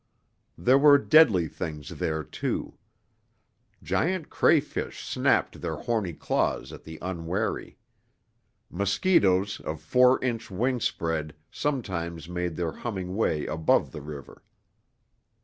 There were deadly things there, too. Giant crayfish snapped their horny claws at the unwary. Mosquitoes of four inch wing spread sometimes made their humming way above the river.